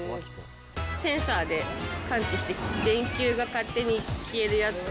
センサーで感知して電球が勝手に消えるやつ。